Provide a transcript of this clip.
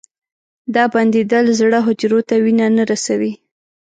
دا بندېدل زړه حجرو ته وینه نه رسوي.